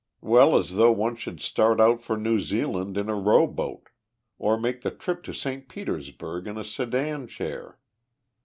well, as though one should start out for New Zealand in a row boat, or make the trip to St. Petersburg in a sedan chair.